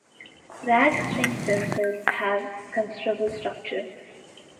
Rag strains themselves have considerable structure.